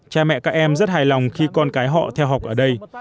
cha mẹ các em rất hài lòng khi con cái họ theo học ở đây